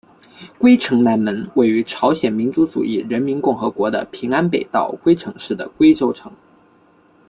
龟城南门位于朝鲜民主主义人民共和国的平安北道龟城市的龟州城。